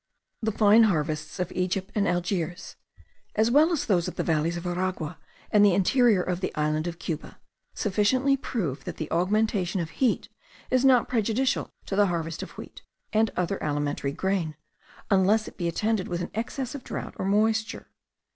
The fine harvests of Egypt and of Algiers, as well as those of the valleys of Aragua and the interior of the island of Cuba, sufficiently prove that the augmentation of heat is not prejudicial to the harvest of wheat and other alimentary grain, unless it be attended with an excess of drought or moisture.